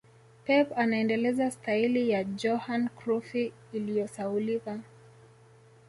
pep anaendeleza staili ya Johan Crufy iliyosahaulika